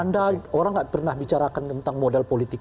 anda orang nggak pernah bicarakan tentang modal politik